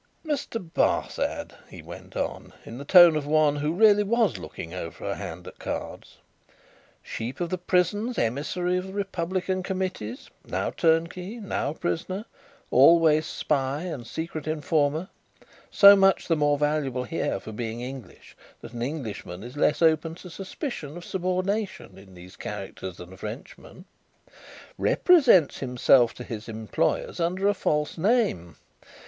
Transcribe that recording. "Mr. Barsad," he went on, in the tone of one who really was looking over a hand at cards: "Sheep of the prisons, emissary of Republican committees, now turnkey, now prisoner, always spy and secret informer, so much the more valuable here for being English that an Englishman is less open to suspicion of subornation in those characters than a Frenchman, represents himself to his employers under a false name.